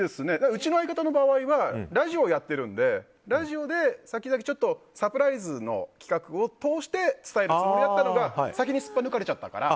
うちの相方の場合はラジオやってるのでラジオでサプライズの企画を通して伝えるつもりだったのが先にすっぱ抜かれちゃったから。